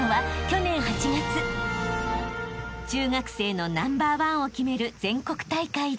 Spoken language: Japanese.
［中学生のナンバーワンを決める全国大会で］